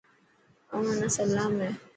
اوهان نا سلام هي.